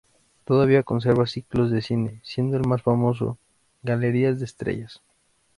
Todavía conserva ciclos de cine, siendo el más famoso "Galería de Estrellas".